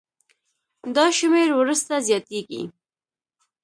دا شمېر وروسته زیاتېږي.